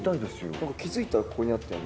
なんか気付いたらここにあったよね。